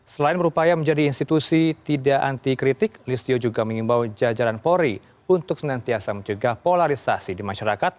selain berupaya menjadi institusi tidak anti kritik listio juga mengimbau jajaran polri untuk senantiasa menjaga polarisasi di masyarakat